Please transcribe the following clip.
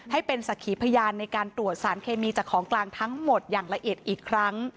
ให้เป็นสักขีพยานในการตรวจสารเคมีจากของกลางทั้งหมดอย่างละเอียดอีกครั้ง